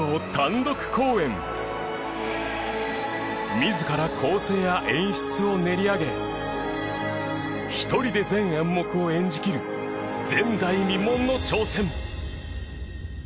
自ら構成や演出を練り上げ１人で全演目を演じきる前代未聞の挑戦。